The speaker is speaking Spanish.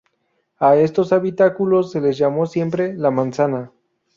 A estos habitáculos se les llamó siempre "La Manzana".